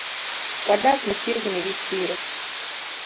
Wadak machiegni gi chiro